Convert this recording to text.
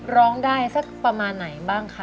ร้องได้สักประมาณไหนบ้างคะ